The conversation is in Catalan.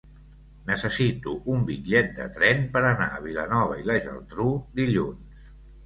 Necessito un bitllet de tren per anar a Vilanova i la Geltrú dilluns.